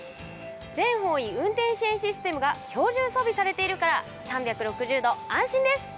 全方位運転支援システムが標準装備されているから、３６０度、安心です。